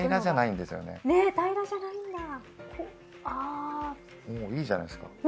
おおっいいじゃないですか。